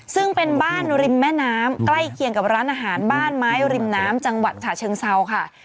ซึ่งเป็นบ้านริมแม่น้ำใกล้เคียงกับร้านอาหารบ้านไม้ริมน้ำจังหวัดฉะเชิงเซาค่ะ